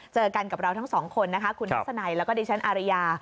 เจอกันกับเราทั้งสองคนนะคะคุณทัศนัยแล้วก็ดิฉันอารยา